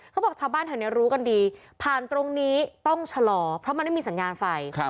เขาบอกชาวบ้านแถวนี้รู้กันดีผ่านตรงนี้ต้องชะลอเพราะมันไม่มีสัญญาณไฟ